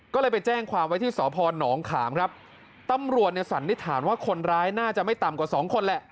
ก็เลยไปแจ้งความไว้ที่สพนขามครับตำรวจเนี่ยสันนิษฐานว่าคนร้ายน่าจะไม่ต่ำกว่าสองคนแหละ